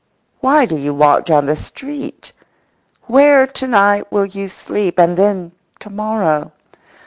Why do you walk down the street? Where to night will you sleep, and then, to morrow?